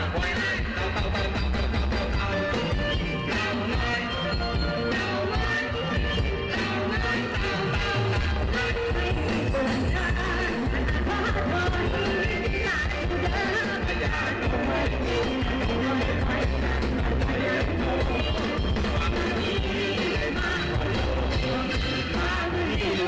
โปรดติดตามตอนต่อไป